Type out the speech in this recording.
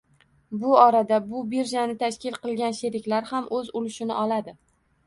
Bu orada bu birjani tashkil qilgan sheriklar ham o'z ulushini olishadi